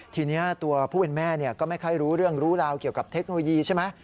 ทีนี้ตัวผู้เป็นแม่ก็ไม่ค่อยรู้เรื่องรู้ราวเกี่ยวกับเทคโนโลยีใช่ไหม